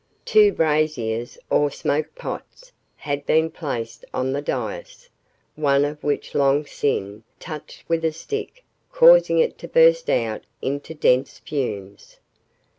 Two braziers, or smoke pots, had been placed on the dais, one of which Long Sin touched with a stick causing it to burst out into dense fumes.